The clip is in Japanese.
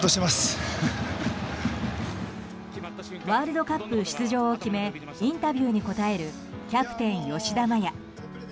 ワールドカップ出場を決めインタビューに答えるキャプテン、吉田麻也。